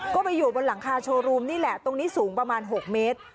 ก็ไปอยู่บนหลังคาโชว์รูมนี่แหละตรงนี้สูงประมาณ๖เมตร